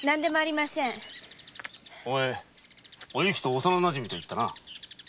お前はお雪と幼なじみと言ったな。